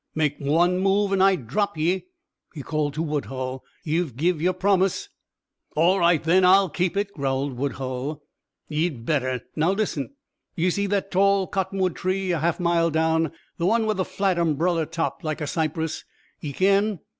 "Make one move an' I drop ye!" he called to Woodhull. "Ye've give yer promise." "All right then, I'll keep it," growled Woodhull. "Ye'd better! Now listen! Do ye see that tall cottingwood tree a half mile down the one with the flat umbreller top, like a cypress? Ye kin?